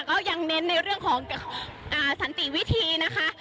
ก็ยังเน้นในเรื่องของสันติวิธีนะคะ